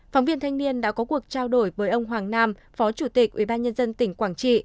phóng viên thanh niên đã có cuộc trao đổi với ông hoàng nam phó chủ tịch ubnd tỉnh quảng trị